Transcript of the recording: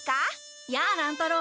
やあ乱太郎！